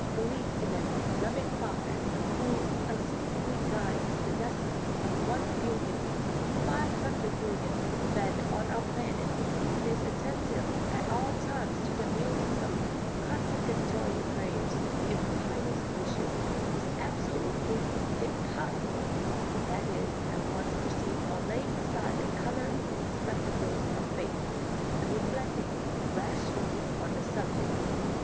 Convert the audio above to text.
Belief in a " loving Fa ther," who unceasingly guides the destinies of one bill ion five hundred million men on our planet, and is attentive at all times to their millions of contradictory prayers and pious wishes, is absolutely impossible; that is at once perceived on laying aside the colored spectacles of " faith " and reflecting rationally on the subject.